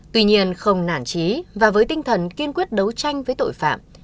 tuy nhiên không nản trí và với tinh thần kiên quyết đấu tranh với tội phạm